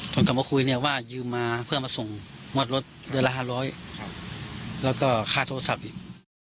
กลับมาคุยเนี่ยว่ายืมมาเพื่อมาส่งงวดรถเดือนละ๕๐๐แล้วก็ค่าโทรศัพท์อีก